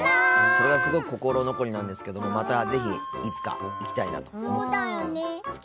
それがすごく心残りなんですけどまたぜひ、いつか行きたいなと思っています。